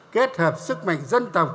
kết hợp sức mạnh dân tộc